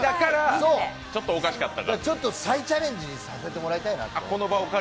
ちょっと再チャレンジさせてもらいたいなと。